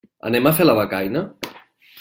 Anem a fer la becaina?